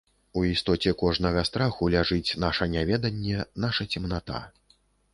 У істоце кожнага страху ляжыць наша няведаньне, наша цемната